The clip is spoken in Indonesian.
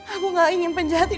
aku gak ingin penjahat